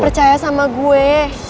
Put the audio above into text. percaya sama gue